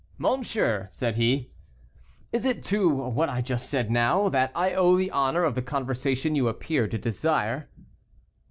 "Monsieur," said he, "is it to what I said just now, that I owe the honor of the conversation you appear to desire?"